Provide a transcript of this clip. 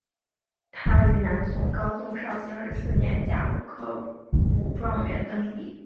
他于南宋高宗绍兴二十四年甲戌科武状元登第。